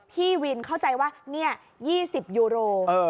พี่วินเข้าใจว่านี่๒๐ยูโร